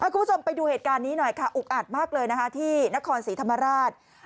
คุณผู้ชมไปดูเหตุการณ์นี้หน่อยค่ะอุกอัดมากเลยนะคะที่นครศรีธรรมราช